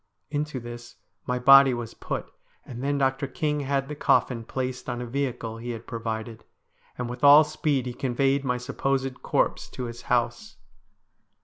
Into this my body was put, and then Dr. King had the coffin placed on a vehicle he had provided, and with all speed he conveyed my supposed corpse to his house.